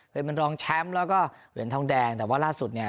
เป็นรองแชมป์แล้วก็เหรียญทองแดงแต่ว่าล่าสุดเนี่ย